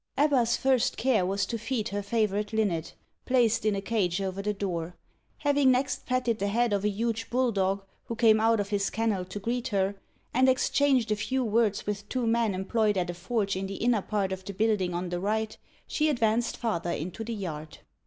Ebba's first care was to feed her favourite linnet, placed in a cage over the door. Having next patted the head of a huge bulldog who came out of his kennel to greet her, and exchanged a few words with two men employed at a forge in the inner part of the building on the right, she advanced farther into the yard.